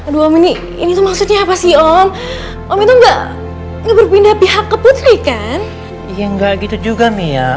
sampai jumpa di video selanjutnya